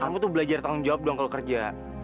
kamu tuh belajar tanggung jawab dong kalau kerja